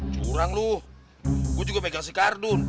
curang loh gue juga pegang si kardun